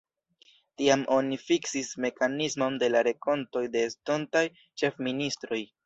Tiam oni fiksis mekanismon de la renkontoj de estontaj ĉefministroj.